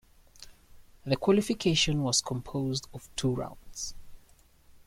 The qualification was composed of two Rounds.